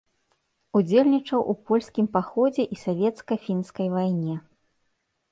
Удзельнічаў у польскім паходзе і савецка-фінскай вайне.